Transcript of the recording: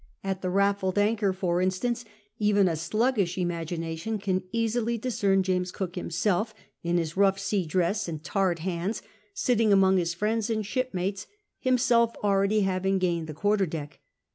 At the Raffled Anchor ^ for instance, even a sluggish imagination can easily discern James Cook himself, in his rough sea dress and birred hands, sitting among his friends and shi 2 )mates — himself already having gained the quarter deck.